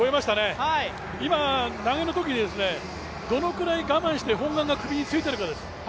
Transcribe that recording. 今、投げるときにどのくらい我慢して砲丸が首についているかです。